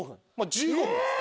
１５分です。